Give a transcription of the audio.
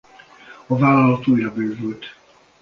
A vállalat újra bővült.